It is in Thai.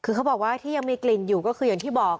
คือเขาบอกว่าที่ยังมีกลิ่นอยู่ก็คืออย่างที่บอก